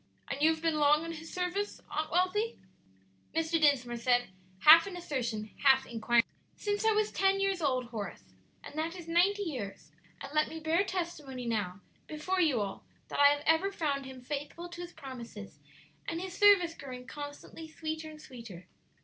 "And you have been long in His service, Aunt Wealthy?" Mr. Dinsmore said, half in assertion, half inquiringly. "Since I was ten years old, Horace; and that is ninety years; and let me bear testimony now, before you all, that I have ever found Him faithful to His promises, and His service growing constantly sweeter and sweeter.